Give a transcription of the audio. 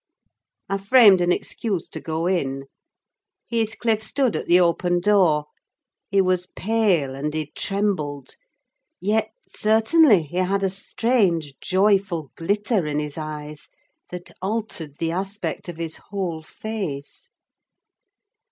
I framed an excuse to go in. Heathcliff stood at the open door; he was pale, and he trembled: yet, certainly, he had a strange joyful glitter in his eyes, that altered the aspect of his whole face.